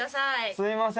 すみません。